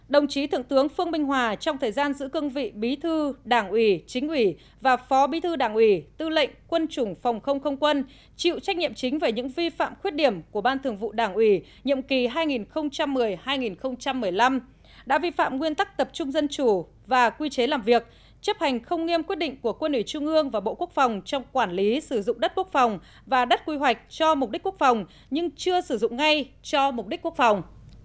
bốn đồng chí thượng tướng phương minh hòa trong thời gian giữ cương vị bí thư đảng ủy chính ủy và phó bí thư đảng ủy tư lệnh quân chủng phòng không không quân chịu trách nhiệm chính về những vi phạm khuyết điểm của ban thường vụ đảng ủy nhiệm kỳ hai nghìn một mươi hai nghìn một mươi năm đã vi phạm nguyên tắc tập trung dân chủ và quy chế làm việc chấp hành không nghiêm quyết định của quân ủy trung ương và bộ quốc phòng trong quản lý sử dụng đất quốc phòng và đất quy hoạch cho mục đích quốc phòng nhưng chưa sử dụng ngay cho mục đích quốc phòng